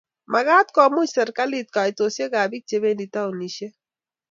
Magat komuch serkali koitosiekab bik chebendi taoinisiek